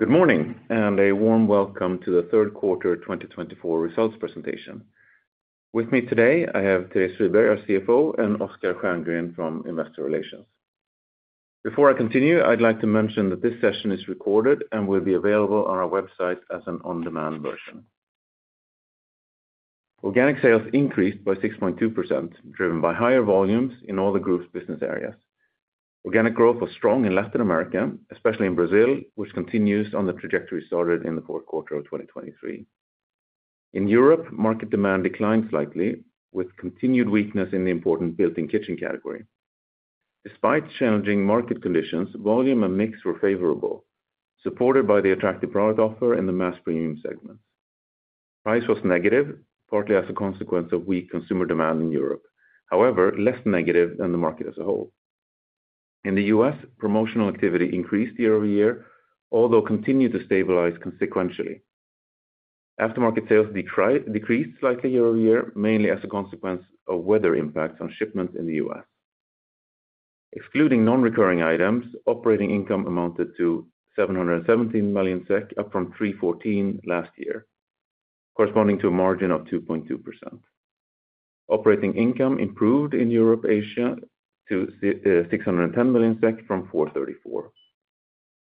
Good morning, and a warm welcome to the Q3 2024 results presentation. With me today, I have Therese Friberg, our CFO, and Oscar Stjerngren from Investor Relations. Before I continue, I'd like to mention that this session is recorded and will be available on our website as an on-demand version. Organic sales increased by 6.2%, driven by higher volumes in all the group's business areas. Organic growth was strong in Latin America, especially in Brazil, which continues on the trajectory started in the Q4 of 2023. In Europe, market demand declined slightly, with continued weakness in the important built-in kitchen category. Despite challenging market conditions, volume and mix were favorable, supported by the attractive product offer in the mass premium segments. Price was negative, partly as a consequence of weak consumer demand in Europe. However, less negative than the market as a whole. In the US, promotional activity increased year-over-year, although continued to stabilize consequentially. Aftermarket sales decreased slightly year-over-year, mainly as a consequence of weather impacts on shipments in the US. Excluding non-recurring items, operating income amounted to 717 million SEK, up from 314 last year, corresponding to a margin of 2.2%. Operating income improved in Europe, Asia, to 610 million SEK from 434.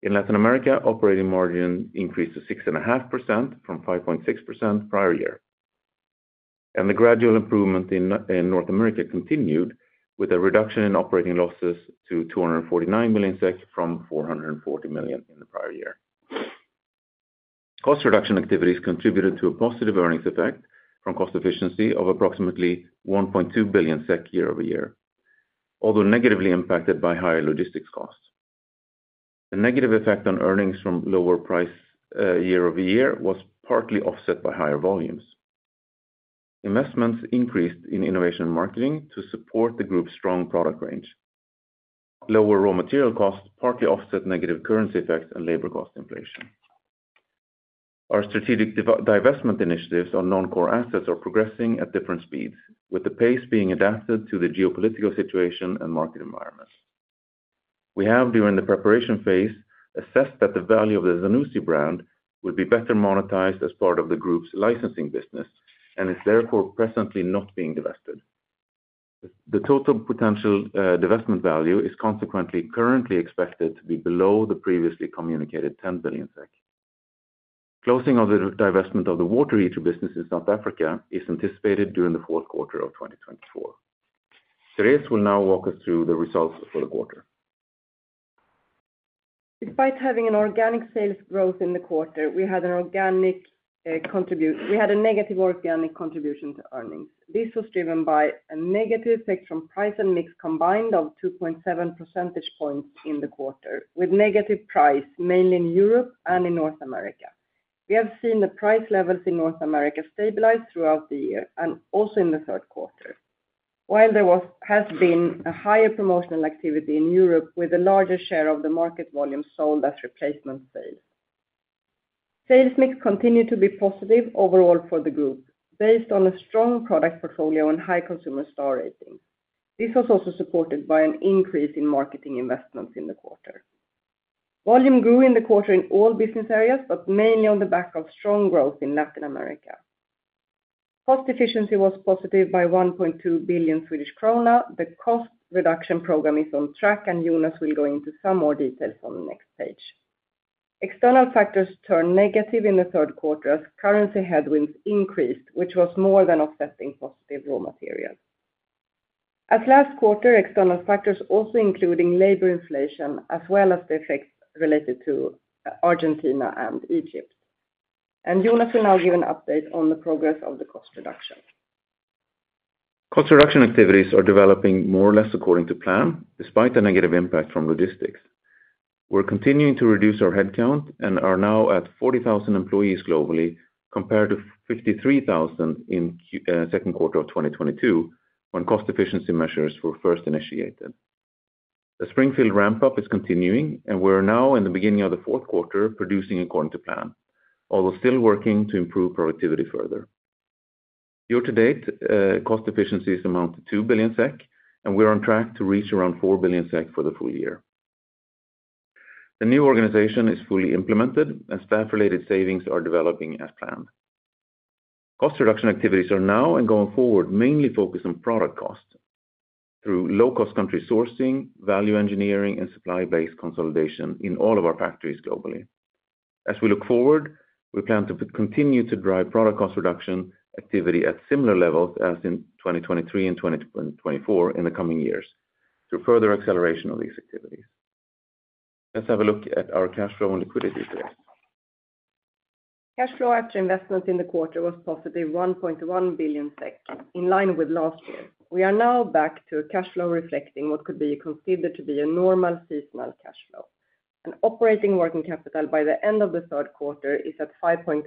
In Latin America, operating margin increased to 6.5% from 5.6% prior year. The gradual improvement in North America continued, with a reduction in operating losses to 249 million SEK from 440 million in the prior year. Cost reduction activities contributed to a positive earnings effect from cost efficiency of approximately 1.2 billion SEK year-over-year, although negatively impacted by higher logistics costs. The negative effect on earnings from lower price, year-over-year was partly offset by higher volumes. Investments increased in innovation and marketing to support the group's strong product range. Lower raw material costs partly offset negative currency effects and labor cost inflation. Our strategic divestment initiatives on non-core assets are progressing at different speeds, with the pace being adapted to the geopolitical situation and market environment. We have, during the preparation phase, assessed that the value of the Zanussi brand would be better monetized as part of the group's licensing business, and is therefore presently not being divested. The total potential divestment value is consequently currently expected to be below the previously communicated 10 billion SEK. Closing of the divestment of the water heater business in South Africa is anticipated during the Q4 of 2024. Therese will now walk us through the results for the quarter. Despite having an organic sales growth in the quarter, we had a negative organic contribution to earnings. This was driven by a negative effect from price and mix combined of 2.7 percentage points in the quarter, with negative price, mainly in Europe and in North America. We have seen the price levels in North America stabilize throughout the year and also in the Q3. While there has been a higher promotional activity in Europe, with a larger share of the market volume sold as replacement sales. Sales mix continued to be positive overall for the group, based on a strong product portfolio and high consumer star rating. This was also supported by an increase in marketing investments in the quarter. Volume grew in the quarter in all business areas, but mainly on the back of strong growth in Latin America. Cost efficiency was positive by 1.2 billion Swedish krona. The cost reduction program is on track, and Jonas will go into some more details on the next page. External factors turned negative in the Q3 as currency headwinds increased, which was more than offsetting positive raw material. As last quarter, external factors also including labor inflation, as well as the effects related to Argentina and Egypt, and Jonas will now give an update on the progress of the cost reduction. Cost reduction activities are developing more or less according to plan, despite the negative impact from logistics. We're continuing to reduce our headcount and are now at 40,000 employees globally, compared to 53,000 in Q2 of 2022, when cost efficiency measures were first initiated. The Springfield ramp-up is continuing, and we're now in the beginning of the Q4, producing according to plan, although still working to improve productivity further. Year to date, cost efficiencies amount to 2 billion SEK, and we are on track to reach around 4 billion SEK for the full year. The new organization is fully implemented, and staff-related savings are developing as planned. Cost reduction activities are now and going forward mainly focused on product costs through low-cost country sourcing, value engineering, and supply-based consolidation in all of our factories globally. As we look forward, we plan to continue to drive product cost reduction activity at similar levels as in 2023 and 2024 in the coming years, through further acceleration of these activities. Let's have a look at our cash flow and liquidity today. Cash flow after investment in the quarter was positive 1.1 billion SEK, in line with last year. We are now back to a cash flow reflecting what could be considered to be a normal seasonal cash flow. And operating working capital by the end of the Q3 is at 5.8%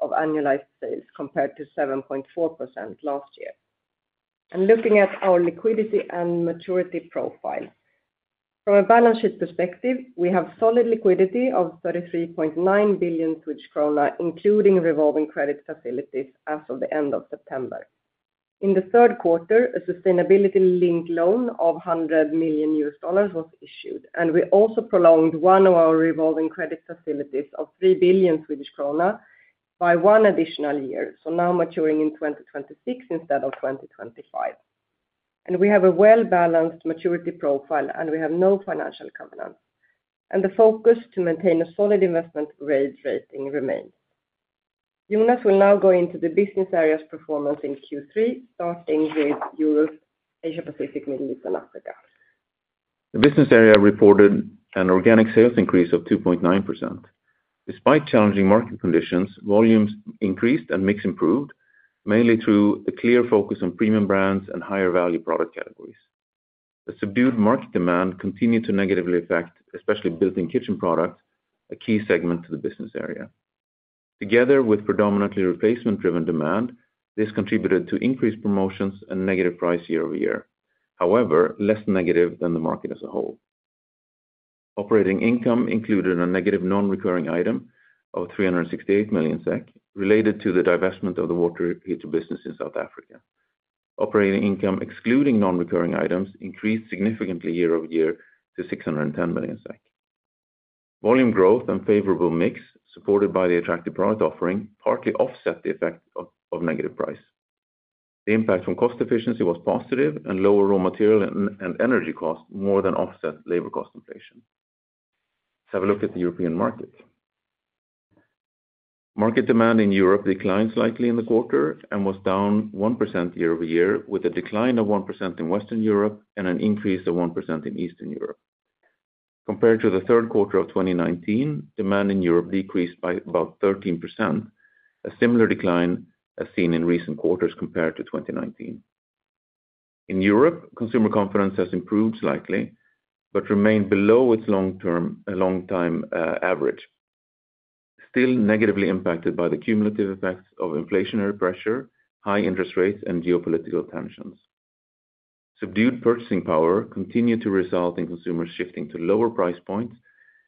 of annualized sales, compared to 7.4% last year. And looking at our liquidity and maturity profile. From a balance sheet perspective, we have solid liquidity of 33.9 billion Swedish krona, including revolving credit facilities as of the end of September. In the Q3, a sustainability-linked loan of $100 million was issued, and we also prolonged one of our revolving credit facilities of 3 billion Swedish krona by one additional year, so now maturing in 2026 instead of 2025. We have a well-balanced maturity profile, and we have no financial covenants, and the focus to maintain a solid investment grade rating remains. Jonas will now go into the business areas' performance in Q3, starting with Europe, Asia-Pacific, Middle East, and Africa. The business area reported an organic sales increase of 2.9%. Despite challenging market conditions, volumes increased and mix improved, mainly through a clear focus on premium brands and higher value product categories. The subdued market demand continued to negatively affect, especially built-in kitchen product, a key segment to the business area. Together with predominantly replacement-driven demand, this contributed to increased promotions and negative price year-over-year. However, less negative than the market as a whole. Operating income included a negative non-recurring item of 368 million SEK, related to the divestment of the water heater business in South Africa. Operating income, excluding non-recurring items, increased significantly year-over-year to 610 million SEK. Volume growth and favorable mix, supported by the attractive product offering, partly offset the effect of negative price. The impact from cost efficiency was positive, and lower raw material and energy costs more than offset labor cost inflation. Let's have a look at the European market. Market demand in Europe declined slightly in the quarter and was down 1% year-over-year, with a decline of 1% in Western Europe and an increase of 1% in Eastern Europe. Compared to the Q3 of 2019, demand in Europe decreased by about 13%, a similar decline as seen in recent quarters compared to 2019. In Europe, consumer confidence has improved slightly, but remained below its long-term average, still negatively impacted by the cumulative effects of inflationary pressure, high interest rates, and geopolitical tensions. Subdued purchasing power continued to result in consumers shifting to lower price points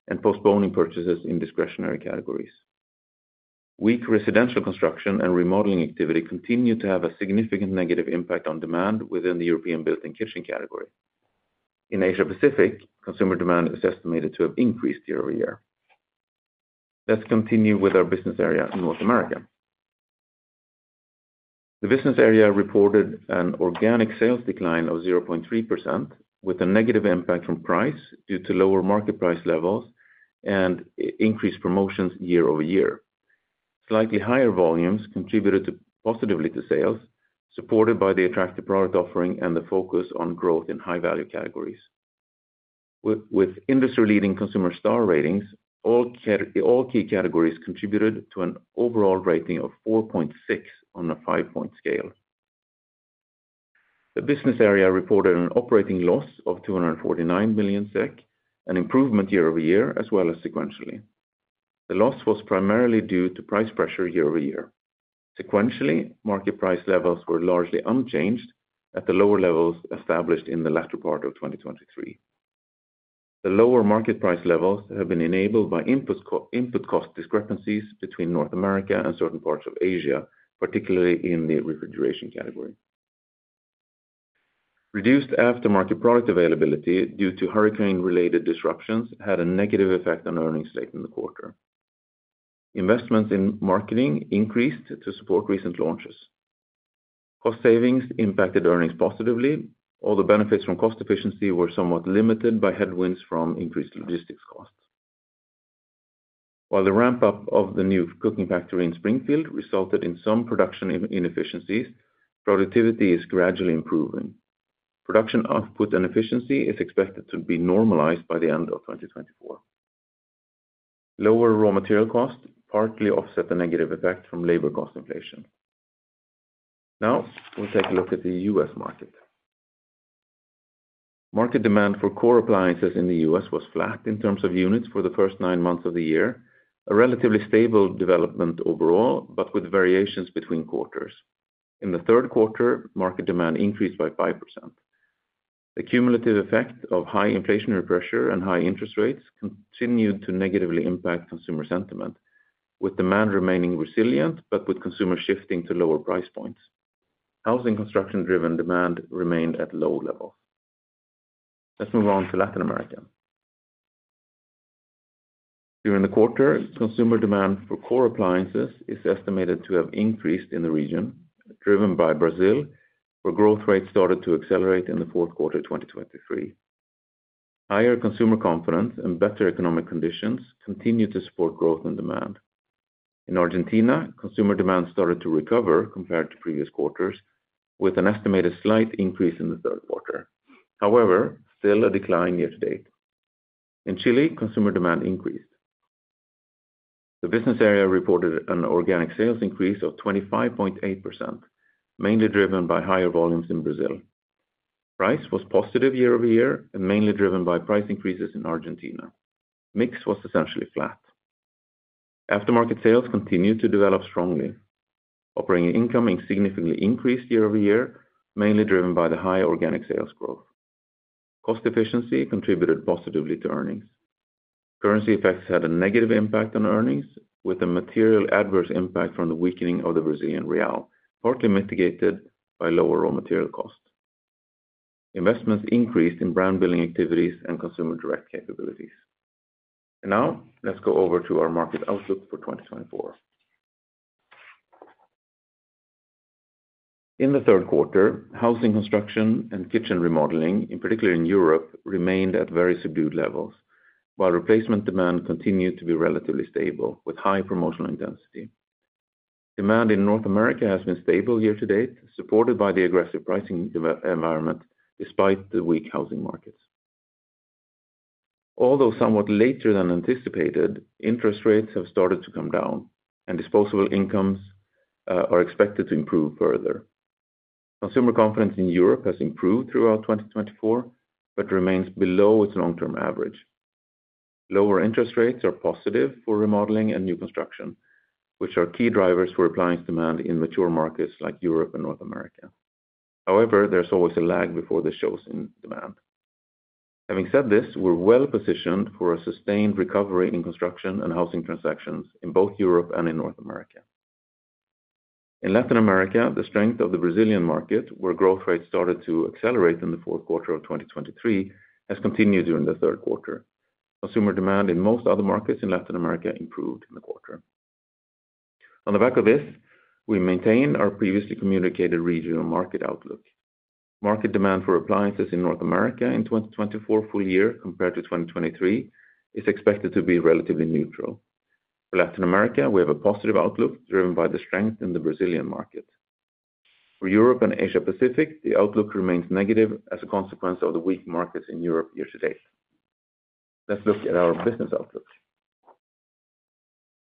and postponing purchases in discretionary categories. Weak residential construction and remodeling activity continued to have a significant negative impact on demand within the European built-in kitchen category. In Asia-Pacific, consumer demand is estimated to have increased year-over-year. Let's continue with our business area in North America. The business area reported an organic sales decline of 0.3%, with a negative impact from price due to lower market price levels and increased promotions year-over-year. Slightly higher volumes contributed to positively to sales, supported by the attractive product offering and the focus on growth in high-value categories. With industry-leading consumer star ratings, all key categories contributed to an overall rating of 4.6 on a five-point scale. The business area reported an operating loss of 249 million SEK, an improvement year-over-year, as well as sequentially. The loss was primarily due to price pressure year-over-year. Sequentially, market price levels were largely unchanged at the lower levels established in the latter part of 2023. The lower market price levels have been enabled by input cost discrepancies between North America and certain parts of Asia, particularly in the refrigeration category. Reduced aftermarket product availability due to hurricane-related disruptions had a negative effect on earnings in the quarter. Investments in marketing increased to support recent launches. Cost savings impacted earnings positively, although benefits from cost efficiency were somewhat limited by headwinds from increased logistics costs. While the ramp-up of the new cooking factory in Springfield resulted in some production inefficiencies, productivity is gradually improving. Production output and efficiency is expected to be normalized by the end of 2024. Lower raw material costs partly offset the negative effect from labor cost inflation. Now, we'll take a look at the U.S. market. Market demand for core appliances in the U.S. was flat in terms of units for the first nine months of the year, a relatively stable development overall, but with variations between quarters. In the Q3, market demand increased by 5%. The cumulative effect of high inflationary pressure and high interest rates continued to negatively impact consumer sentiment, with demand remaining resilient but with consumer shifting to lower price points. Housing construction-driven demand remained at low levels. Let's move on to Latin America. During the quarter, consumer demand for core appliances is estimated to have increased in the region, driven by Brazil, where growth rates started to accelerate in the Q4 of 2023. Higher consumer confidence and better economic conditions continued to support growth and demand. In Argentina, consumer demand started to recover compared to previous quarters, with an estimated slight increase in the Q3. However, still a decline year to date. In Chile, consumer demand increased. The business area reported an organic sales increase of 25.8%, mainly driven by higher volumes in Brazil. Price was positive year-over-year and mainly driven by price increases in Argentina. Mix was essentially flat. Aftermarket sales continued to develop strongly, operating income significantly increased year-over-year, mainly driven by the high organic sales growth. Cost efficiency contributed positively to earnings. Currency effects had a negative impact on earnings, with a material adverse impact from the weakening of the Brazilian real, partly mitigated by lower raw material costs. Investments increased in brand building activities and consumer direct capabilities. Now, let's go over to our market outlook for 2024. In the Q3, housing construction and kitchen remodeling, in particular in Europe, remained at very subdued levels, while replacement demand continued to be relatively stable, with high promotional intensity. Demand in North America has been stable year to date, supported by the aggressive pricing environment despite the weak housing markets. Although somewhat later than anticipated, interest rates have started to come down, and disposable incomes are expected to improve further. Consumer confidence in Europe has improved throughout 2024, but remains below its long-term average. Lower interest rates are positive for remodeling and new construction, which are key drivers for appliance demand in mature markets like Europe and North America. However, there's always a lag before this shows in demand. Having said this, we're well-positioned for a sustained recovery in construction and housing transactions in both Europe and in North America. In Latin America, the strength of the Brazilian market, where growth rates started to accelerate in the Q4 of 2023, has continued during the Q3. Consumer demand in most other markets in Latin America improved in the quarter. On the back of this, we maintain our previously communicated regional market outlook. Market demand for appliances in North America in 2024 full year, compared to 2023, is expected to be relatively neutral. For Latin America, we have a positive outlook, driven by the strength in the Brazilian market. For Europe and Asia Pacific, the outlook remains negative as a consequence of the weak markets in Europe year to date. Let's look at our business outlook.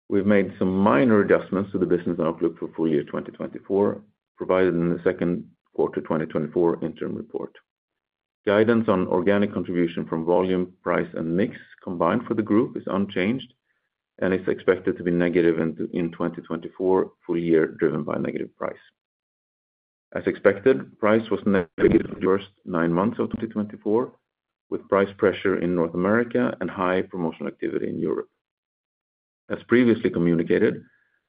We've made some minor adjustments to the business outlook for full year 2024, provided in the Q2 2024 interim report. Guidance on organic contribution from volume, price, and mix combined for the group is unchanged, and is expected to be negative in 2024, full year, driven by negative price. As expected, price was negative for the first nine months of 2024, with price pressure in North America and high promotional activity in Europe. As previously communicated,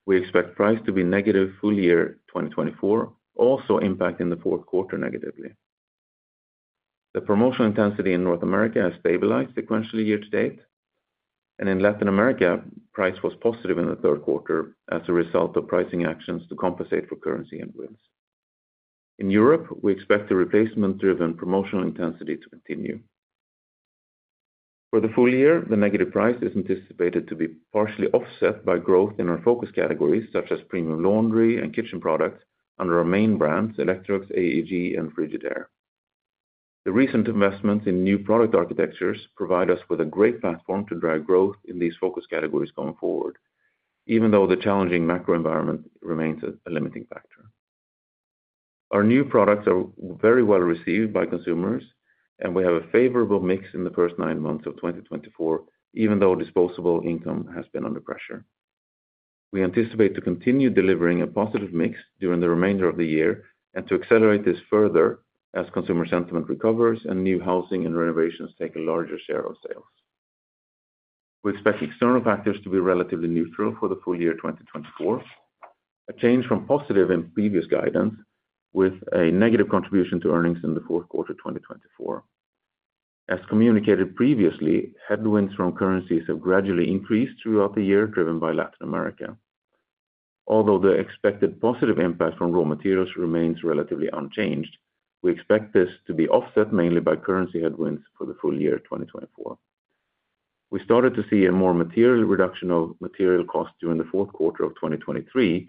we expect price to be negative full year 2024, also impacting the Q4 negatively. The promotional intensity in North America has stabilized sequentially year to date, and in Latin America, price was positive in the Q3 as a result of pricing actions to compensate for currency headwinds. In Europe, we expect the replacement-driven promotional intensity to continue. For the full year, the negative price is anticipated to be partially offset by growth in our focus categories, such as premium laundry and kitchen products, under our main brands, Electrolux, AEG, and Frigidaire. The recent investments in new product architectures provide us with a great platform to drive growth in these focus categories going forward, even though the challenging macro environment remains a limiting factor. Our new products are very well received by consumers, and we have a favorable mix in the first nine months of 2024, even though disposable income has been under pressure. We anticipate to continue delivering a positive mix during the remainder of the year, and to accelerate this further as consumer sentiment recovers and new housing and renovations take a larger share of sales. We expect external factors to be relatively neutral for the full year 2024, a change from positive in previous guidance, with a negative contribution to earnings in the Q4, 2024. As communicated previously, headwinds from currencies have gradually increased throughout the year, driven by Latin America. Although the expected positive impact from raw materials remains relatively unchanged, we expect this to be offset mainly by currency headwinds for the full year 2024. We started to see a more material reduction of material costs during the Q4 of twenty twenty-three,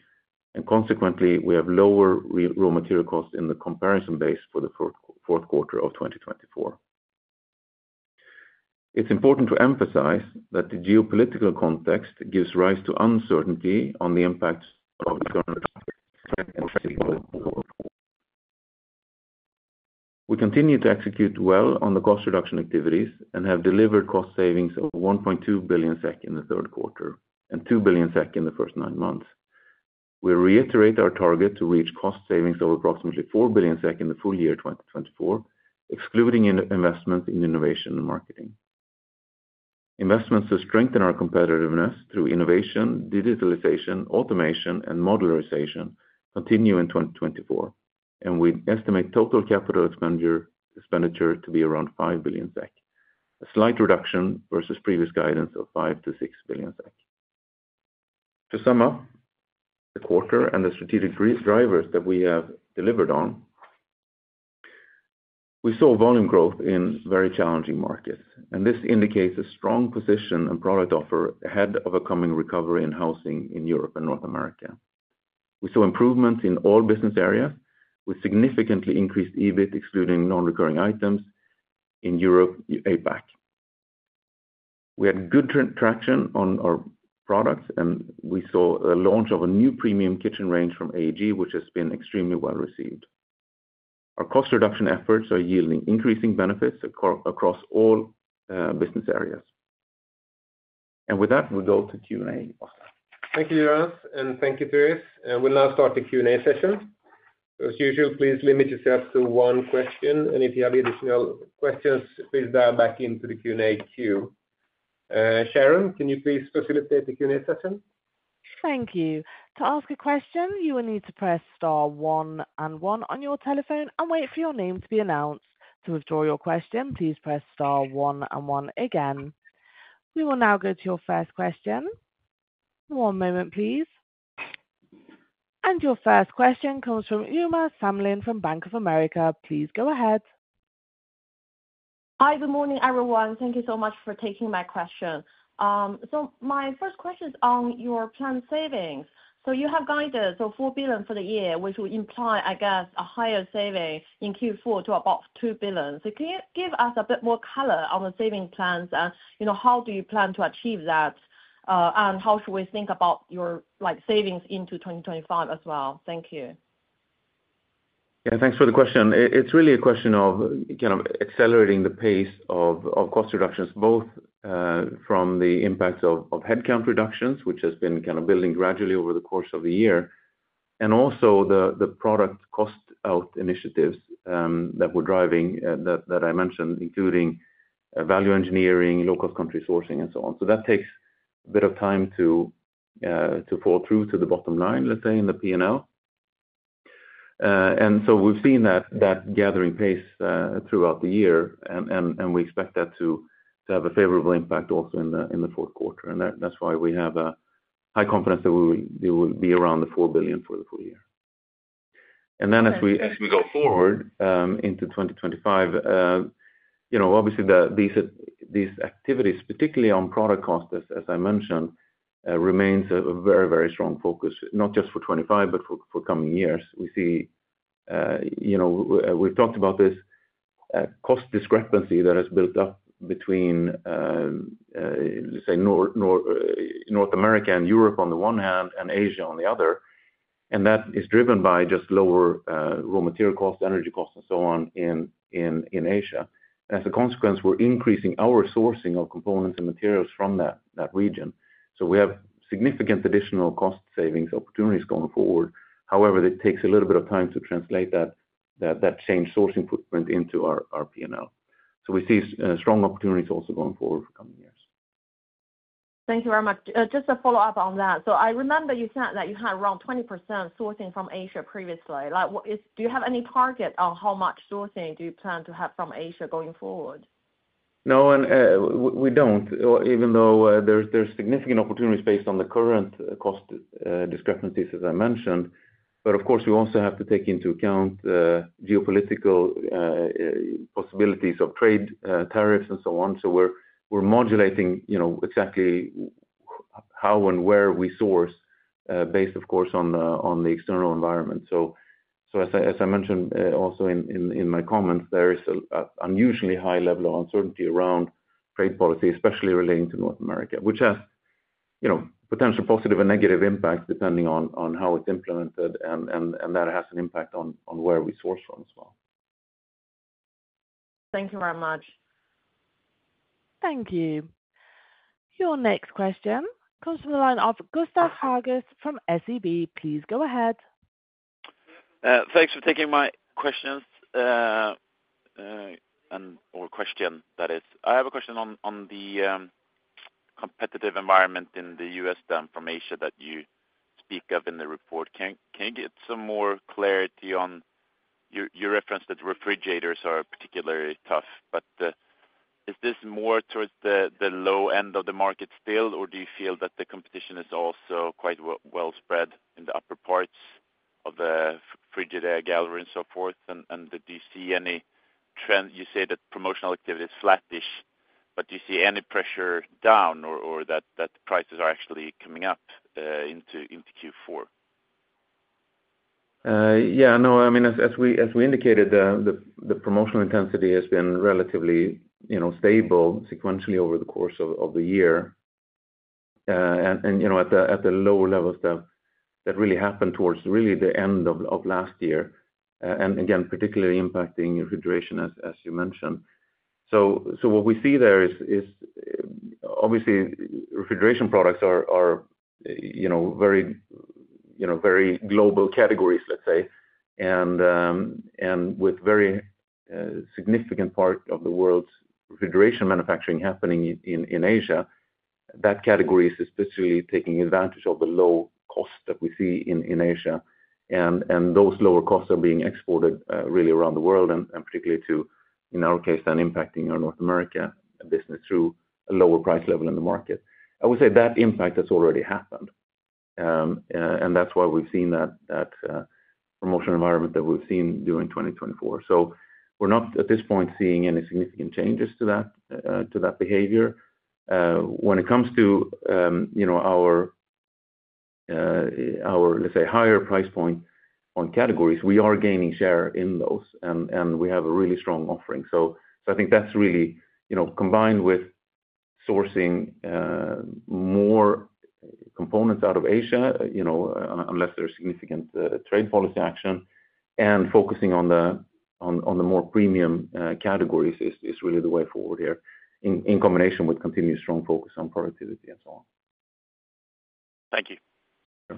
and consequently, we have lower raw material costs in the comparison base for the Q4 of 2024. It's important to emphasize that the geopolitical context gives rise to uncertainty on the impacts of... We continue to execute well on the cost reduction activities and have delivered cost savings of 1.2 billion SEK in the Q3, and 2 billion SEK in the first nine months. We reiterate our target to reach cost savings of approximately 4 billion SEK in the full year 2024, excluding investment in innovation and marketing. Investments to strengthen our competitiveness through innovation, digitalization, automation, and modularization continue in 2024, and we estimate total capital expenditure to be around 5 billion SEK, a slight reduction versus previous guidance of 5-6 billion SEK. To sum up, the quarter and the strategic brief drivers that we have delivered on, we saw volume growth in very challenging markets, and this indicates a strong position and product offer ahead of a coming recovery in housing in Europe and North America. We saw improvements in all business areas. We significantly increased EBIT, excluding non-recurring items in Europe, APAC. We had good traction on our products, and we saw a launch of a new premium kitchen range from AEG, which has been extremely well received. Our cost reduction efforts are yielding increasing benefits across all business areas. And with that, we'll go to Q&A. Thank you, Jonas, and thank you, Therese. And we'll now start the Q&A session. As usual, please limit yourself to one question, and if you have additional questions, please dial back into the Q&A queue. Sharon, can you please facilitate the Q&A session? Thank you. To ask a question, you will need to press star one and one on your telephone and wait for your name to be announced. To withdraw your question, please press star one and one again. We will now go to your first question. One moment, please. And your first question comes from Uma Samlin from Bank of America. Please go ahead. Hi, good morning, everyone. Thank you so much for taking my question. So my first question is on your planned savings. So you have guided, so four billion for the year, which would imply, I guess, a higher saving in Q4 to about two billion. So can you give us a bit more color on the saving plans? And, you know, how do you plan to achieve that? And how should we think about your, like, savings into 2025 as well? Thank you. Yeah, thanks for the question. It's really a question of kind of accelerating the pace of cost reductions, both from the impact of headcount reductions, which has been kind of building gradually over the course of the year, and also the product cost out initiatives that we're driving that I mentioned, including value engineering, low-cost country sourcing, and so on. So that takes a bit of time to fall through to the bottom line, let's say, in the P&L. And so we've seen that gathering pace throughout the year, and we expect that to have a favorable impact also in the Q4. And that's why we have high confidence that we will be around 4 billion SEK for the full year. And then as we go forward into twenty twenty-five, you know, obviously, these activities, particularly on product cost, as I mentioned, remains a very, very strong focus, not just for twenty-five, but for coming years. We see, you know, we've talked about this, cost discrepancy that has built up between, let's say, North America and Europe on the one hand, and Asia on the other, and that is driven by just lower raw material costs, energy costs, and so on, in Asia. And as a consequence, we're increasing our sourcing of components and materials from that region. So we have significant additional cost savings opportunities going forward. However, it takes a little bit of time to translate that same sourcing footprint into our P&L. So we see strong opportunities also going forward for coming years. Thank you very much. Just to follow up on that: so I remember you said that you had around 20% sourcing from Asia previously. Like, what is? Do you have any target on how much sourcing do you plan to have from Asia going forward? No, and we don't. Even though there's significant opportunities based on the current cost discrepancies, as I mentioned, but of course, we also have to take into account the geopolitical possibilities of trade tariffs, and so on. So we're modulating, you know, exactly how and where we source, based, of course, on the external environment. So as I mentioned, also in my comments, there is an unusually high level of uncertainty around trade policy, especially relating to North America, which has, you know, potential positive and negative impacts, depending on how it's implemented, and that has an impact on where we source from as well. Thank you very much. Thank you. Your next question comes from the line of Gustav Hageus from SEB. Please go ahead. Thanks for taking my questions, and or question, that is. I have a question on the competitive environment in the U.S., down from Asia, that you speak of in the report. Can you get some more clarity on... You referenced that refrigerators are particularly tough, but is this more towards the low end of the market still, or do you feel that the competition is also quite well spread in the upper parts of the Frigidaire Gallery and so forth? And do you see any trend? You say that promotional activity is flattish, but do you see any pressure down or that prices are actually coming up into Q4? Yeah, no, I mean, as we indicated, the promotional intensity has been relatively, you know, stable sequentially over the course of the year. You know, at the lower levels, that really happened towards the end of last year, and again, particularly impacting refrigeration, as you mentioned. What we see there is obviously refrigeration products are, you know, very global categories, let's say. With very significant part of the world's refrigeration manufacturing happening in Asia, that category is especially taking advantage of the low cost that we see in Asia. Those lower costs are being exported really around the world, and particularly to, in our case, then impacting our North America business through a lower price level in the market. I would say that impact has already happened. That's why we've seen that promotional environment that we've seen during 2024. We're not, at this point, seeing any significant changes to that behavior. When it comes to, you know, our let's say higher price point on categories, we are gaining share in those, and we have a really strong offering. I think that's really, you know, combined with sourcing more-... components out of Asia, you know, unless there's significant trade policy action, and focusing on the more premium categories is really the way forward here, in combination with continued strong focus on productivity and so on. Thank you.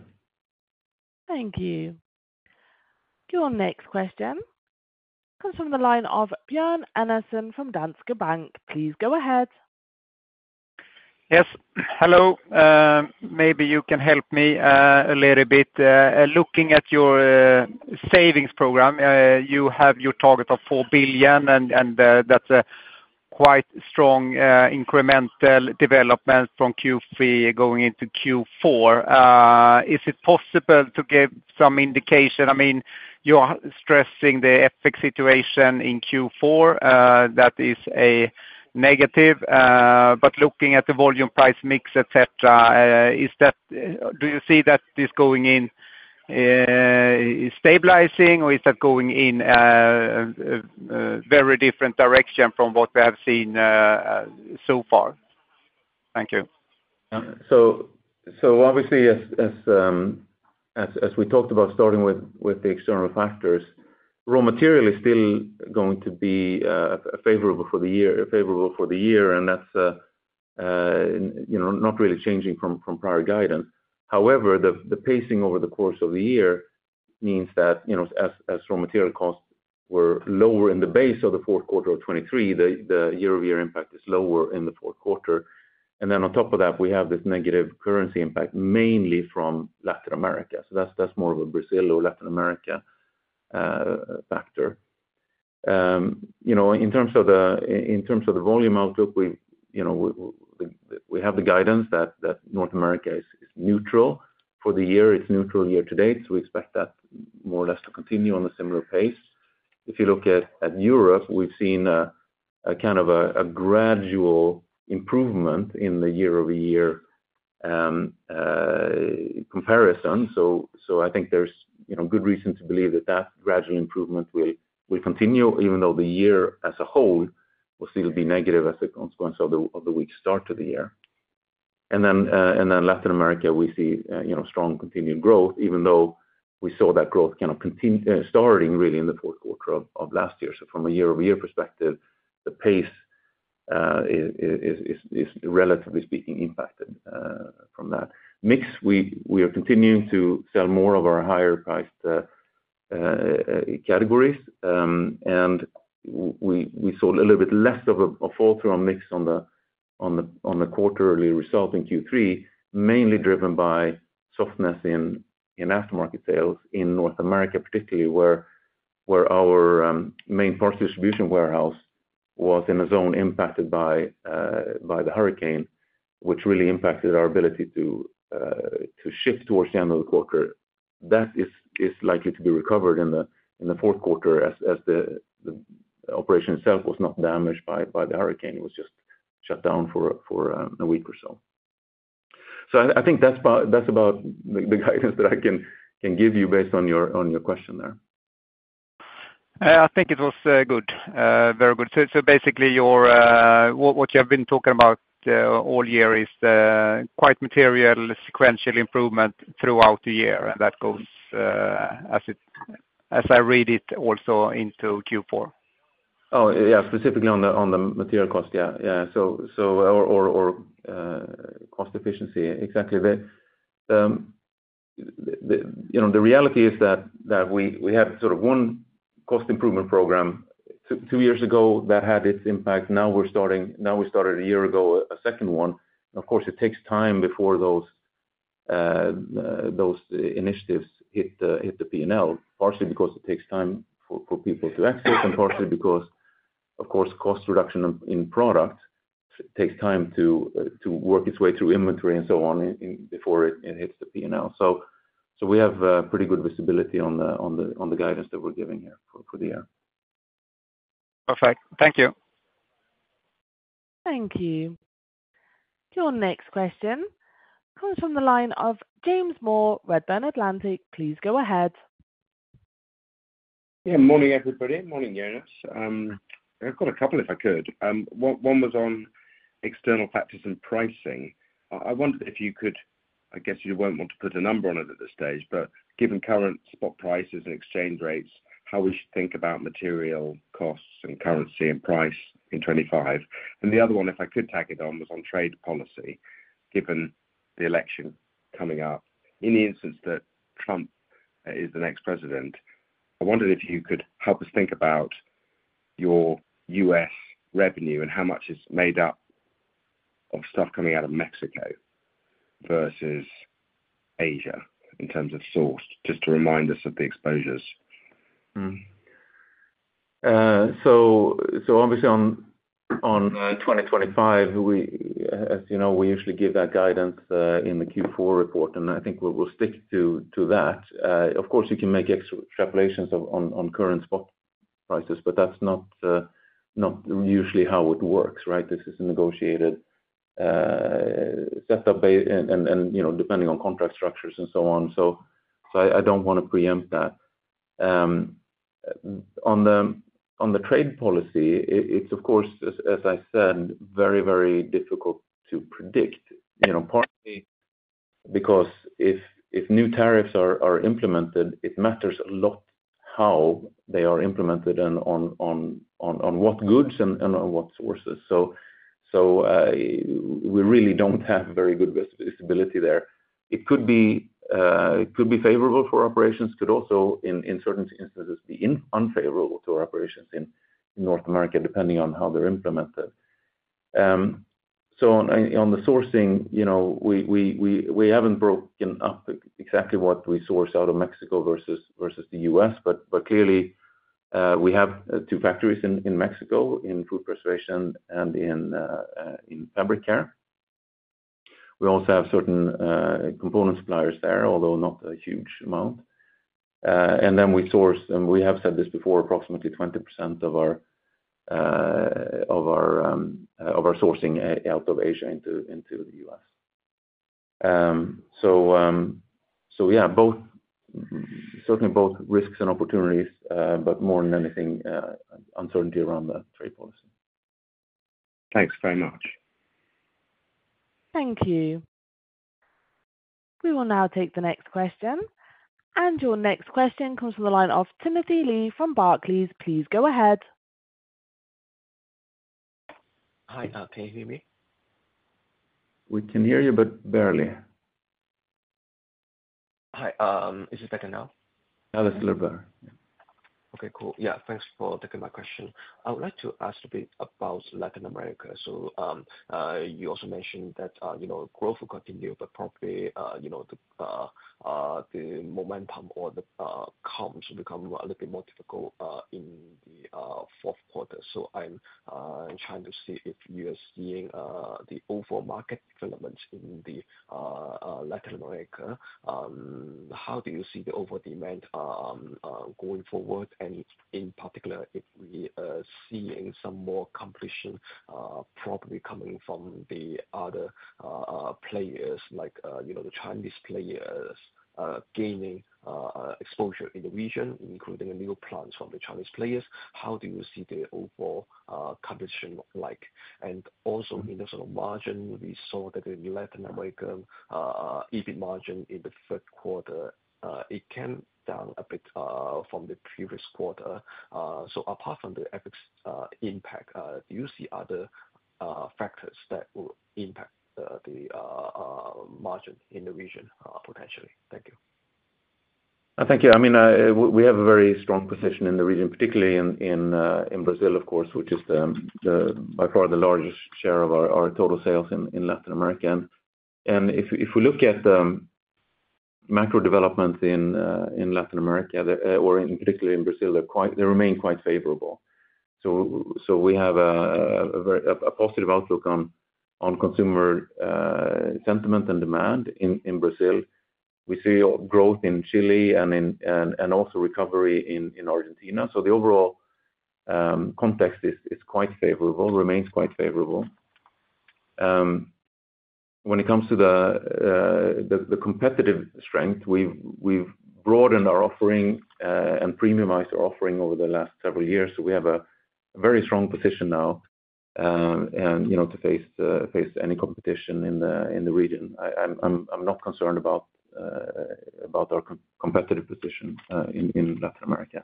Thank you. Your next question comes from the line of Björn Enarson from Danske Bank. Please go ahead. Yes. Hello. Maybe you can help me a little bit. Looking at your savings program, you have your target of four billion SEK, and that's a quite strong incremental development from Q3 going into Q4. Is it possible to give some indication? I mean, you are stressing the EBIT situation in Q4, that is a negative, but looking at the volume, price, mix, et cetera, is that do you see that this going in stabilizing, or is that going in a very different direction from what we have seen so far? Thank you. So obviously, as we talked about starting with the external factors, raw material is still going to be favorable for the year, and that's you know, not really changing from prior guidance. However, the pacing over the course of the year means that, you know, as raw material costs were lower in the base of the Q4 of 2023, the year-over-year impact is lower in the Q4. And then on top of that, we have this negative currency impact, mainly from Latin America. So that's more of a Brazil or Latin America factor. You know, in terms of the volume outlook, we you know, we have the guidance that North America is neutral for the year. It's neutral year to date, so we expect that more or less to continue on a similar pace. If you look at Europe, we've seen a kind of gradual improvement in the year-over-year comparison, so I think there's you know good reason to believe that gradual improvement will continue, even though the year as a whole will still be negative as a consequence of the weak start to the year, and then Latin America, we see you know strong continuing growth, even though we saw that growth kind of starting really in the Q4 of last year, so from a year-over-year perspective, the pace is relatively speaking impacted from that. Mix, we are continuing to sell more of our higher priced categories, and we saw a little bit less of a fall through on mix on the quarterly result in Q3, mainly driven by softness in aftermarket sales in North America, particularly where our main parts distribution warehouse was in a zone impacted by the hurricane, which really impacted our ability to shift towards the end of the quarter. That is likely to be recovered in the Q4 as the operation itself was not damaged by the hurricane. It was just shut down for a week or so. So I think that's about the guidance that I can give you based on your question there. I think it was good, very good. So basically, what you have been talking about all year is the quite material sequential improvement throughout the year, and that goes, as I read it, also into Q4. Oh, yeah, specifically on the material cost. Yeah, yeah. So, or, cost efficiency. Exactly. The, you know, the reality is that we had sort of one cost improvement program two years ago that had its impact. Now we started a year ago a second one. Of course, it takes time before those initiatives hit the P&L, partially because it takes time for people to access, and partially because, of course, cost reduction in product takes time to work its way through inventory and so on, before it hits the P&L. So, we have pretty good visibility on the guidance that we're giving here for the year. Perfect. Thank you. Thank you. Your next question comes from the line of James Moore, Redburn Atlantic. Please go ahead. Yeah. Morning, everybody. Morning, Jonas. I've got a couple, if I could. One was on external factors and pricing. I wondered if you could, I guess you won't want to put a number on it at this stage, but given current spot prices and exchange rates, how we should think about material costs and currency and price in 2025? And the other one, if I could tack it on, was on trade policy, given the election coming up. In the instance that Trump is the next president, I wondered if you could help us think about your U.S. revenue and how much is made up of stuff coming out of Mexico versus Asia, in terms of source, just to remind us of the exposures. Obviously on twenty twenty-five, as you know, we usually give that guidance in the Q4 report, and I think we will stick to that. Of course, you can make extrapolations on current spot prices, but that's not usually how it works, right? This is a negotiated supply base, and you know, depending on contract structures and so on. I don't want to preempt that. On the trade policy, it's of course, as I said, very difficult to predict. You know, partly because if new tariffs are implemented, it matters a lot how they are implemented and on what goods and on what sources. We really don't have very good visibility there. It could be favorable for operations, could also in certain instances be unfavorable to our operations in North America, depending on how they're implemented. So on the sourcing, you know, we haven't broken up exactly what we source out of Mexico versus the U.S., but clearly we have two factories in Mexico, in food preservation and in fabric care. We also have certain component suppliers there, although not a huge amount. And then we source, and we have said this before, approximately 20% of our sourcing out of Asia into the U.S. So yeah, certainly both risks and opportunities, but more than anything uncertainty around the trade policy. Thanks very much. Thank you. We will now take the next question, and your next question comes from the line of Timothy Lee from Barclays. Please go ahead. Hi, can you hear me? We can hear you, but barely. Hi, is it better now? Now it's a little better. Okay, cool. Yeah, thanks for taking my question. I would like to ask a bit about Latin America. So, you also mentioned that, you know, growth will continue, but probably, you know, the momentum or the comps become a little bit more difficult in the Q4. So I'm trying to see if you are seeing the overall market developments in the Latin America. How do you see the overall demand going forward? And in particular, if we seeing some more competition probably coming from the other players, like, you know, the Chinese players gaining exposure in the region, including the new plants from the Chinese players. How do you see the overall competition like? And also in the sort of margin, we saw that in Latin America, EBIT margin in the Q3, it came down a bit, from the previous quarter. So apart from the FX impact, do you see other factors that will impact the margin in the region, potentially? Thank you. Thank you. I mean, we have a very strong position in the region, particularly in Brazil, of course, which is by far the largest share of our total sales in Latin America. And if we look at the macro developments in Latin America, or particularly in Brazil, they're quite favorable. They remain quite favorable. So we have a very positive outlook on consumer sentiment and demand in Brazil. We see growth in Chile and also recovery in Argentina. So the overall context is quite favorable, remains quite favorable. When it comes to the competitive strength, we've broadened our offering and premiumized our offering over the last several years. So we have a very strong position now, and you know to face any competition in the region. I'm not concerned about our competitive position in Latin America.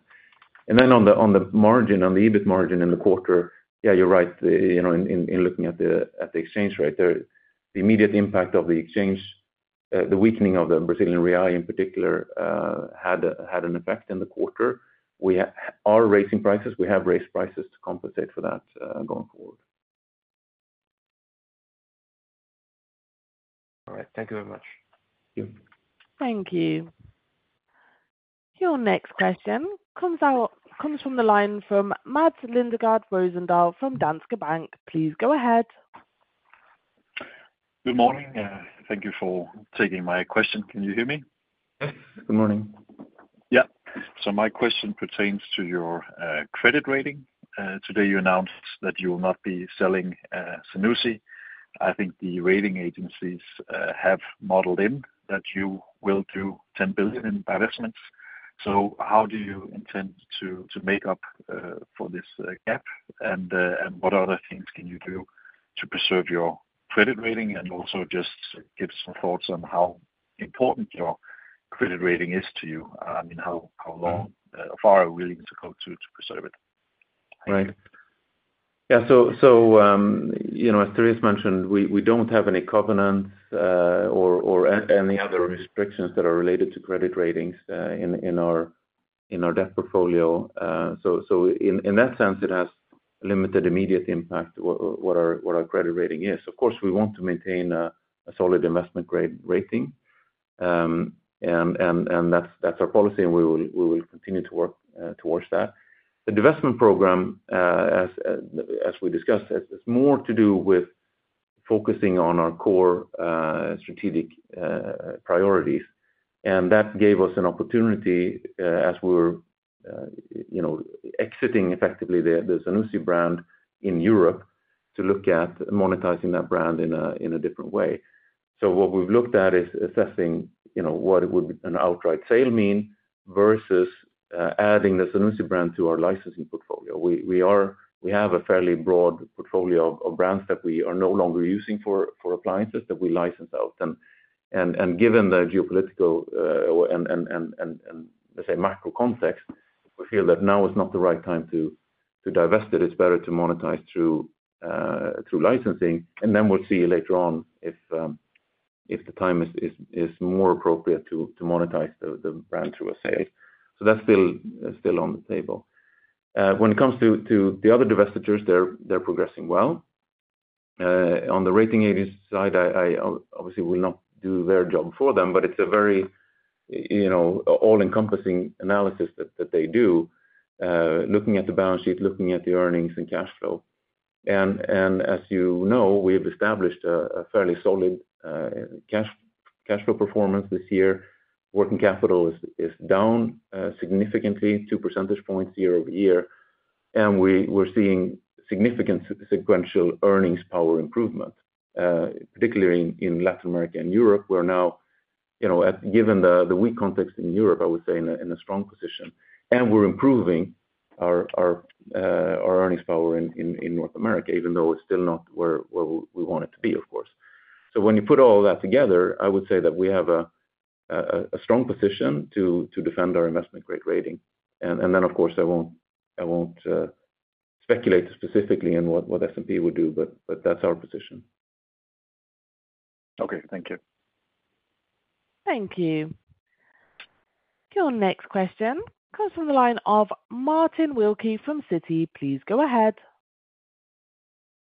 And then on the margin, on the EBIT margin in the quarter, yeah, you're right. You know in looking at the exchange rate there, the immediate impact of the exchange, the weakening of the Brazilian real in particular had an effect in the quarter. We are raising prices, we have raised prices to compensate for that going forward. All right. Thank you very much. Thank you. Thank you. Your next question comes from the line from Mads Lindegaard Rosendahl from Danske Bank. Please go ahead. Good morning, thank you for taking my question. Can you hear me? Good morning. Yeah, so my question pertains to your credit rating. Today you announced that you will not be selling Zanussi. I think the rating agencies have modeled in that you will do 10 billion in divestments. So how do you intend to make up for this gap? And what other things can you do to preserve your credit rating, and also just give some thoughts on how important your credit rating is to you? I mean, how far are we willing to go to preserve it? Right. Yeah, so, you know, as Darius mentioned, we don't have any covenants, or any other restrictions that are related to credit ratings, in our debt portfolio. So, in that sense, it has limited immediate impact what our credit rating is. Of course, we want to maintain a solid investment grade rating. That's our policy, and we will continue to work towards that. The divestment program, as we discussed, has more to do with focusing on our core strategic priorities. That gave us an opportunity, as we were, you know, exiting effectively the Zanussi brand in Europe to look at monetizing that brand in a different way. So what we've looked at is assessing, you know, what it would an outright sale mean versus adding the Zanussi brand to our licensing portfolio. We have a fairly broad portfolio of brands that we are no longer using for appliances, that we license out. And given the geopolitical and let's say macro context, we feel that now is not the right time to divest it. It's better to monetize through licensing, and then we'll see later on if the time is more appropriate to monetize the brand through a sale. So that's still on the table. When it comes to the other divestitures, they're progressing well. On the rating agency side, I obviously will not do their job for them, but it's a very, you know, all-encompassing analysis that they do, looking at the balance sheet, looking at the earnings and cash flow, and as you know, we have established a fairly solid cash flow performance this year. Working capital is down significantly two percentage points year-over-year, and we're seeing significant sequential earnings power improvement, particularly in Latin America and Europe. We're now, you know, at... Given the weak context in Europe, I would say in a strong position, and we're improving our earnings power in North America, even though it's still not where we want it to be, of course. So when you put all that together, I would say that we have a strong position to defend our investment grade rating. And then, of course, I won't speculate specifically on what S&P would do, but that's our position. Okay, thank you. Thank you. Your next question comes from the line of Martin Wilkie from Citi. Please go ahead.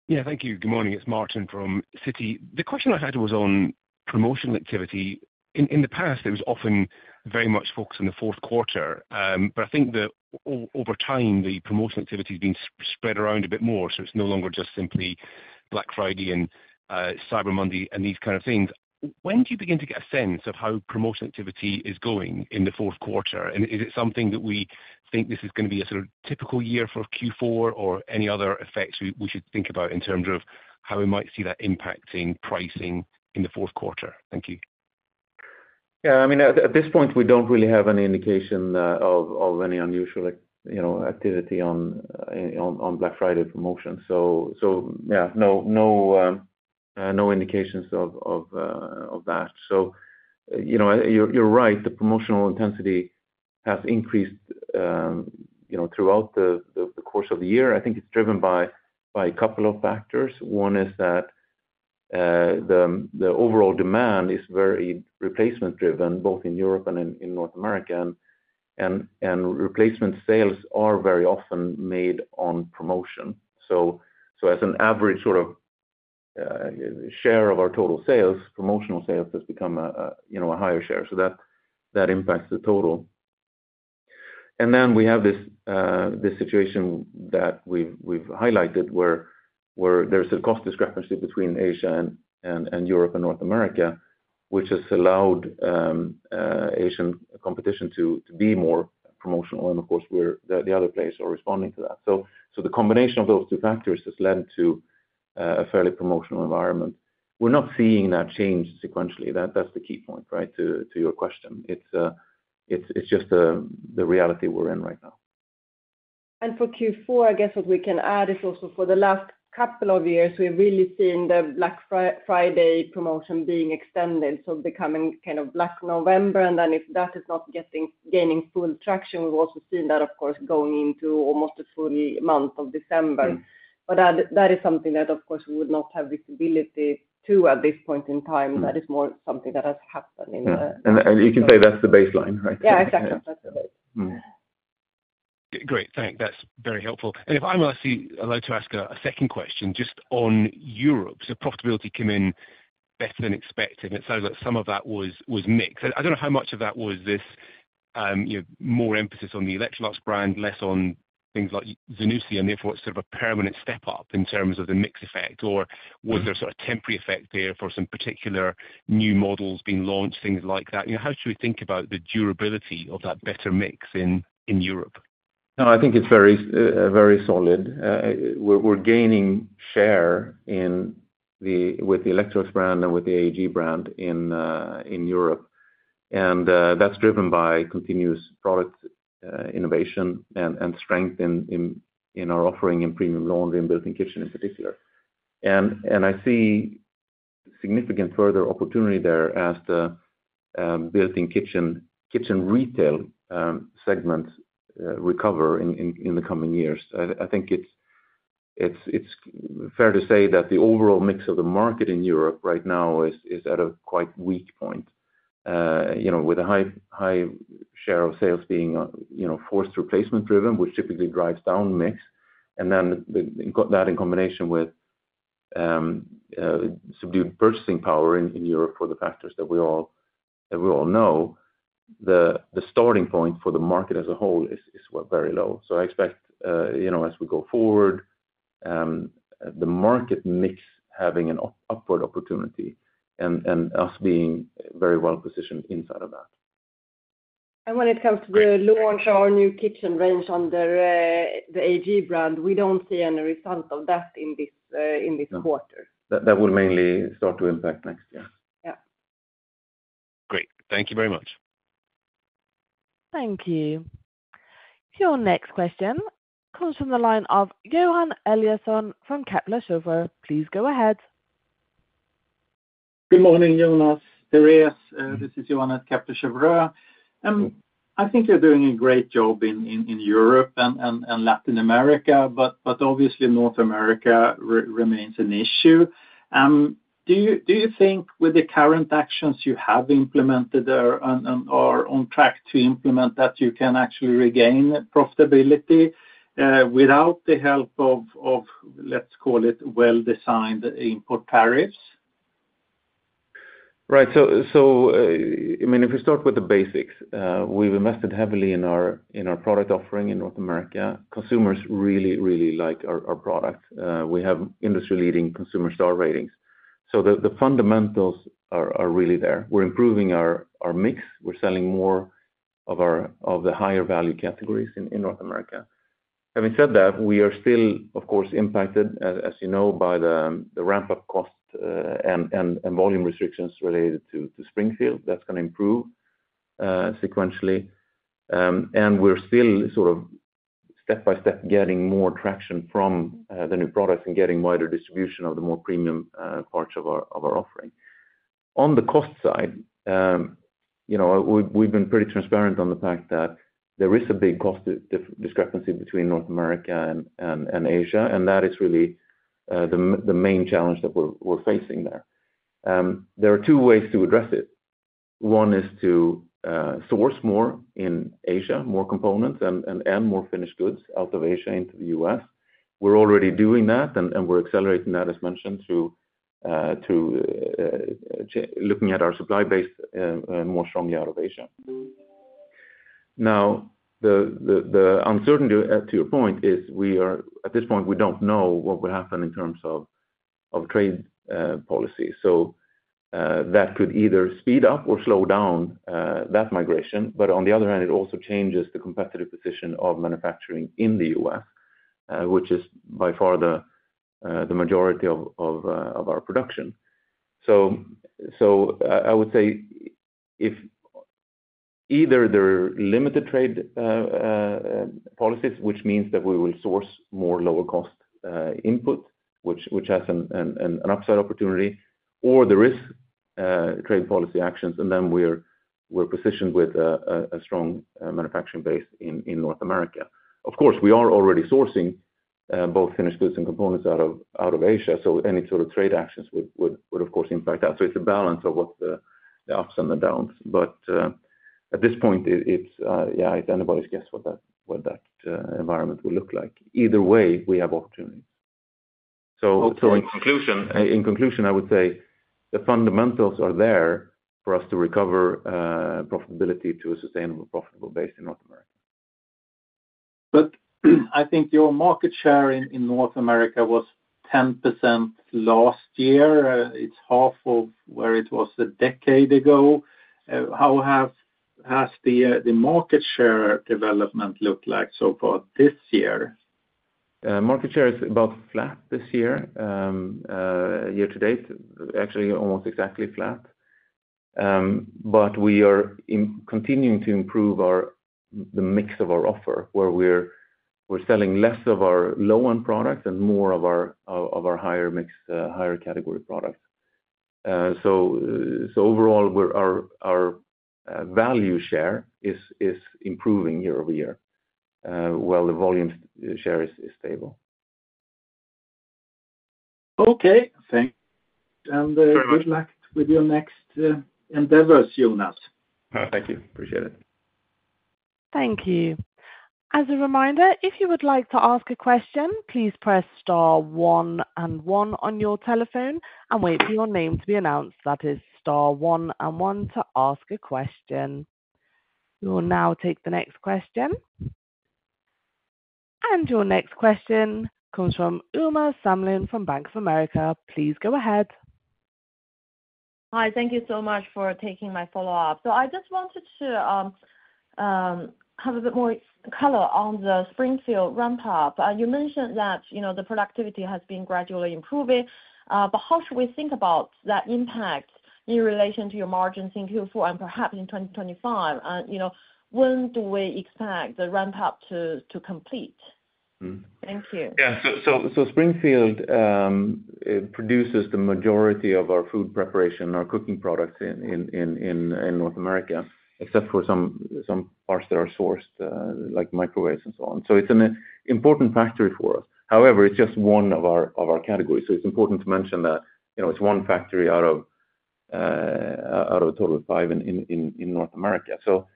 Yeah, thank you. Good morning, it's Martin from Citi. The question I had was on promotional activity. In the past, it was often very much focused on the Q4, but I think that over time, the promotional activity has been spread around a bit more, so it's no longer just simply Black Friday and Cyber Monday and these kind of things. When do you begin to get a sense of how promotional activity is going in the Q4? And is it something that we think this is gonna be a sort of typical year for Q4, or any other effects we should think about in terms of how we might see that impacting pricing in the Q4? Thank you. Yeah, I mean, at this point, we don't really have any indication of any unusual you know, activity on Black Friday promotion. So, yeah, no indications of that. So, you know, you're right, the promotional intensity has increased, you know, throughout the course of the year. I think it's driven by a couple of factors. One is that, the overall demand is very replacement-driven, both in Europe and North America, and replacement sales are very often made on promotion. So as an average sort of share of our total sales, promotional sales has become a you know, a higher share. So that impacts the total. And then we have this situation that we've highlighted, where there's a cost discrepancy between Asia and Europe and North America, which has allowed Asian competition to be more promotional, and of course, where the other places are responding to that. So the combination of those two factors has led to a fairly promotional environment. We're not seeing that change sequentially. That's the key point, right, to your question. It's just the reality we're in right now. And for Q4, I guess what we can add is also for the last couple of years, we've really seen the Black Friday promotion being extended, so becoming kind of Black November. And then if that is not gaining full traction, we've also seen that, of course, going into almost a full month of December. But that is something that, of course, we would not have visibility to at this point in time. That is more something that has happened in the- Yeah. And, and you can say that's the baseline, right? Yeah, exactly. That's the baseline. Mm-hmm. Great, thanks. That's very helpful. And if I might—I'd like to ask a second question just on Europe. So profitability came in better than expected, and it sounds like some of that was mix. I don't know how much of that was this, you know, more emphasis on the Electrolux brand, less on things like Zanussi, and therefore, sort of a permanent step up in terms of the mix effect. Or- Mm-hmm... was there a sort of temporary effect there for some particular new models being launched, things like that? You know, how should we think about the durability of that better mix in, in Europe? No, I think it's very solid. We're gaining share with the Electrolux brand and with the AEG brand in Europe. And that's driven by continuous product innovation and strength in our offering in premium laundry and built-in kitchen in particular. And I see significant further opportunity there as the built-in kitchen retail segments recover in the coming years. I think it's fair to say that the overall mix of the market in Europe right now is at a quite weak point, you know, with a high share of sales being you know, forced replacement-driven, which typically drives down mix. And then the... Got that in combination with subdued purchasing power in Europe for the factors that we all know, the starting point for the market as a whole is well very low. So I expect you know as we go forward the market mix having an upward opportunity and us being very well-positioned inside of that. ... And when it comes to the launch of our new kitchen range under the AEG brand, we don't see any result of that in this quarter? That will mainly start to impact next year. Yeah. Great, thank you very much. Thank you. Your next question comes from the line of Johan Eliason from Kepler Cheuvreux. Please go ahead. Good morning, Jonas, Therese. This is Johan at Kepler Cheuvreux. I think you're doing a great job in Europe and Latin America, but obviously, North America remains an issue. Do you think with the current actions you have implemented or on track to implement, that you can actually regain profitability without the help of, let's call it well-designed import tariffs? Right. I mean, if you start with the basics, we've invested heavily in our product offering in North America. Consumers really, really like our products. We have industry-leading consumer star ratings, so the fundamentals are really there. We're improving our mix. We're selling more of the higher value categories in North America. Having said that, we are still, of course, impacted, as you know, by the ramp-up cost and volume restrictions related to Springfield. That's gonna improve sequentially. And we're still sort of step-by-step getting more traction from the new products and getting wider distribution of the more premium parts of our offering. On the cost side, you know, we've been pretty transparent on the fact that there is a big cost discrepancy between North America and Asia, and that is really the main challenge that we're facing there. There are two ways to address it. One is to source more in Asia, more components and more finished goods out of Asia into the US. We're already doing that, and we're accelerating that, as mentioned, through looking at our supply base more strongly out of Asia. Now, the uncertainty to your point is. At this point, we don't know what will happen in terms of trade policy, so that could either speed up or slow down that migration. But on the other hand, it also changes the competitive position of manufacturing in the U.S., which is by far the majority of our production, so I would say if either there are limited trade policies, which means that we will source more lower-cost input, which has an upside opportunity, or there is trade policy actions, and then we're positioned with a strong manufacturing base in North America. Of course, we are already sourcing both finished goods and components out of Asia, so any sort of trade actions would of course impact that. So it's a balance of the ups and the downs, but at this point, yeah, it's anybody's guess what that environment will look like. Either way, we have opportunities. So in conclusion, I would say the fundamentals are there for us to recover profitability to a sustainable, profitable base in North America. But I think your market share in North America was 10% last year. It's half of where it was a decade ago. How has the market share development looked like so far this year? Market share is about flat this year. Year to date, actually almost exactly flat. But we are continuing to improve our, the mix of our offer, where we're selling less of our low-end products and more of our higher mix, higher category products. So overall, we're our value share is improving year-over-year, while the volume share is stable. Okay, thanks. Very much. And, good luck with your next, endeavors, Jonas. Thank you. Appreciate it. Thank you. As a reminder, if you would like to ask a question, please press star one and one on your telephone and wait for your name to be announced. That is star one and one to ask a question. We will now take the next question. And your next question comes from Uma Samlin from Bank of America. Please go ahead. Hi, thank you so much for taking my follow-up. I just wanted to have a bit more color on the Springfield ramp-up. You mentioned that, you know, the productivity has been gradually improving, but how should we think about that impact in relation to your margins in Q4 and perhaps in twenty twenty-five? You know, when do we expect the ramp-up to complete? Mm-hmm. Thank you. Yeah. So Springfield, it produces the majority of our food preparation, our cooking products in North America, except for some parts that are sourced, like microwaves and so on. So it's an important factory for us. However, it's just one of our categories, so it's important to mention that, you know, it's one factory out of a total of five in North America. So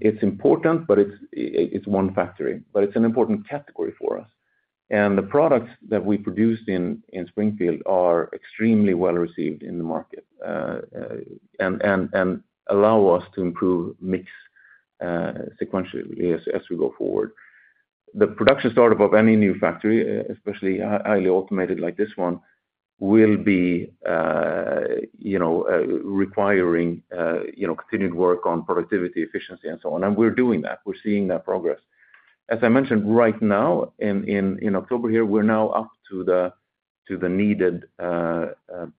it's important, but it's one factory, but it's an important category for us. And the products that we produce in Springfield are extremely well-received in the market, and allow us to improve mix sequentially as we go forward. The production startup of any new factory, especially highly automated like this one, will be, you know, requiring, you know, continued work on productivity, efficiency, and so on, and we're doing that. We're seeing that progress. As I mentioned right now, in October here, we're now up to the needed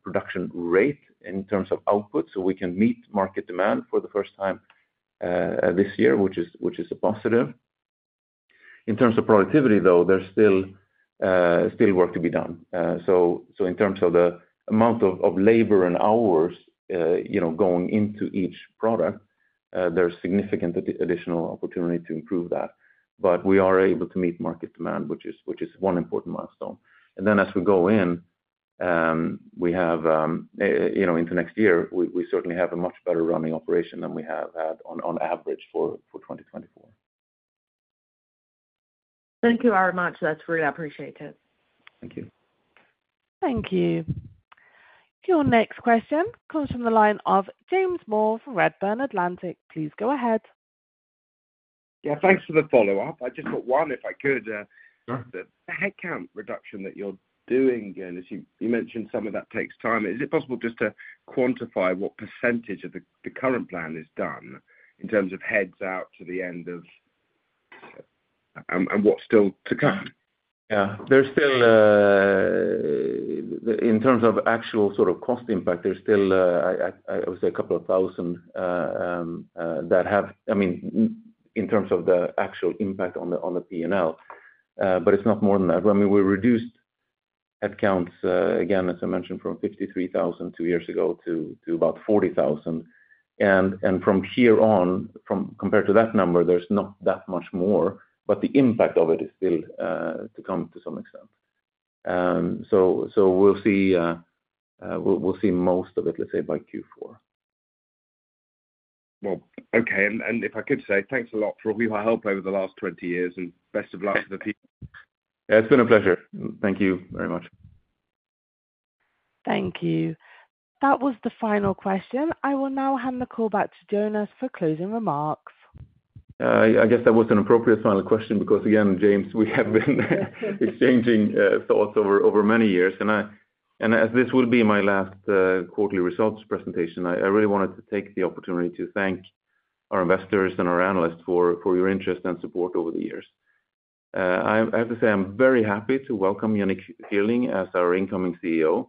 production rate in terms of output, so we can meet market demand for the first time this year, which is a positive. In terms of productivity, though, there's still work to be done. So in terms of the amount of labor and hours, you know, going into each product, there's significant additional opportunity to improve that. But we are able to meet market demand, which is one important milestone. And then as we go in, we have, you know, into next year, we certainly have a much better running operation than we have had on average for 2024. Thank you very much. That's really appreciated. Thank you. Thank you. Your next question comes from the line of James Moore from Redburn Atlantic. Please go ahead. Yeah, thanks for the follow-up. I've just got one, if I could. Sure. The headcount reduction that you're doing, and as you mentioned, some of that takes time. Is it possible just to quantify what percentage of the current plan is done in terms of heads out to the end of... and what's still to come? Yeah. There's still in terms of actual sort of cost impact, there's still I would say a couple of thousand that have I mean, in terms of the actual impact on the P&L, but it's not more than that. When we reduced headcounts again, as I mentioned, from fifty-three thousand two years ago to about forty thousand, and from here on compared to that number, there's not that much more, but the impact of it is still to come to some extent. So we'll see most of it, let's say, by Q4. Okay, and if I could say, thanks a lot for all your help over the last twenty years, and best of luck to the team. Yeah, it's been a pleasure. Thank you very much. Thank you. That was the final question. I will now hand the call back to Jonas for closing remarks. I guess that was an appropriate final question, because again, James, we have been exchanging thoughts over many years, and as this will be my last quarterly results presentation, I really wanted to take the opportunity to thank our investors and our analysts for your interest and support over the years. I have to say, I'm very happy to welcome Yannick Fierling as our incoming CEO,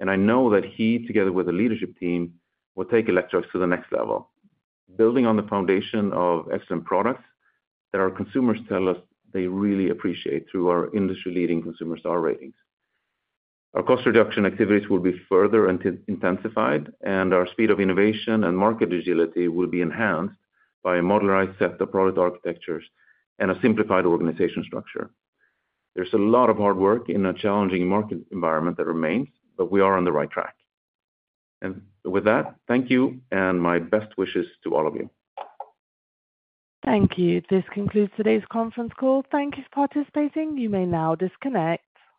and I know that he, together with the leadership team, will take Electrolux to the next level. Building on the foundation of excellent products that our consumers tell us they really appreciate through our industry-leading consumer star ratings. Our cost reduction activities will be further intensified, and our speed of innovation and market agility will be enhanced by a modernized set of product architectures and a simplified organizational structure. There's a lot of hard work in a challenging market environment that remains, but we are on the right track, and with that, thank you, and my best wishes to all of you. Thank you. This concludes today's conference call. Thank you for participating. You may now disconnect.